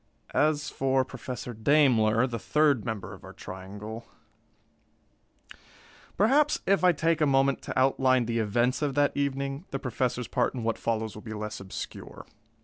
As for Professor Daimler, the third member of our triangle perhaps, if I take a moment to outline the events of that evening, the Professor's part in what follows will be less obscure.